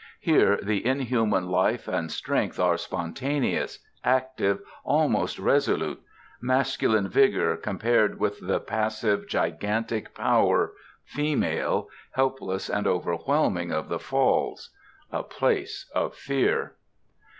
Here the inhuman life and strength are spontaneous, active, almost resolute; masculine vigor compared with the passive gigantic power, female, helpless and overwhelming, of the Falls. A place of fear.